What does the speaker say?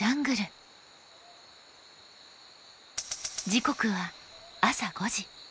時刻は朝５時。